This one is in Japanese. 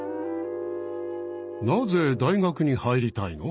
なぜ大学に入りたいの？